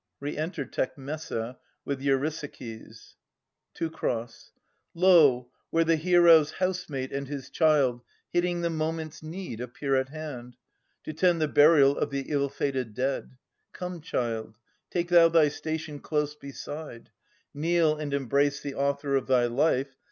Re enter Tecmessa with Eurysakes. Teu. Lo ! where the hero's housemate and his child, Hitting the moment's need, appear at hand, To tend the burial of the ill fated dead. Come, child, take thou thy station close beside : Kneel and embrace the author of thy life.